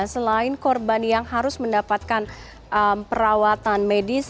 selain korban yang harus mendapatkan perawatan medis